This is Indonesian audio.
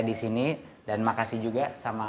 di sini dan makasih juga sama